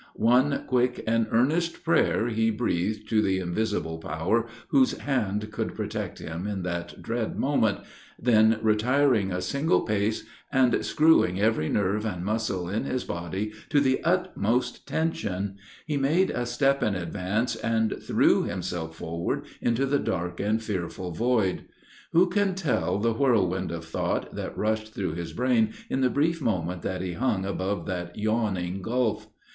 One quick and earnest prayer he breathed to the invisible Power, whose hand could protect him in that dread moment then, retiring a single pace, and screwing every nerve and muscle in his body to the utmost tension, he made a step in advance, and threw himself forward into the dark and fearful void. Who can tell the whirlwind of thought that rushed through his brain in the brief moment that he hung above that yawning gulf?